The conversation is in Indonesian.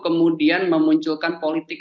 kemudian memunculkan politik